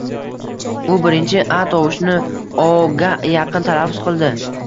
U birinchi “a” tovushini “o”ga yaqin talaffuz qildi.